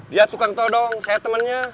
dia tukang todo saya temennya